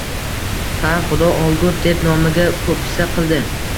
— Ha, xudo olgur! — deb nomiga poʼpisa qildi